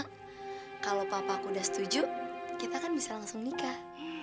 karena kalau papa aku udah setuju kita kan bisa langsung nikah